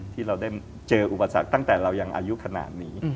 ที่เราได้เจออุปสรรคตั้งแต่เรายังอายุขนาดนี้